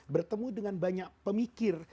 bertemu dengan banyak pemikir